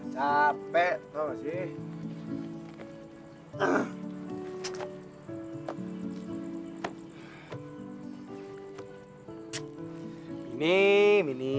capek tau gak sih